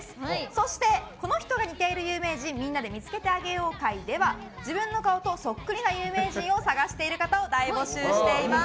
そして、この人が似ている有名人みんなで見つけてあげよう会では自分の顔とそっくりな有名人を探している方を大募集しています。